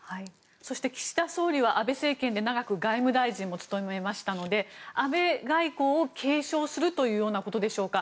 そして、岸田総理は安倍政権で長く外務大臣も務めましたので安倍外交を継承するということでしょうか。